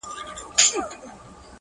اوس مي لا په هر رگ كي خـوره نـــه ده!